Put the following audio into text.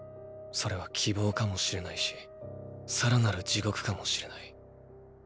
それは希望かもしれないしさらなる地獄かもしれない。